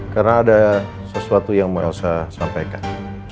karena ada sesuatu yang mau elsa sampaikan